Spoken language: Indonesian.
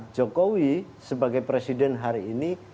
jokowi sebagai presiden hari ini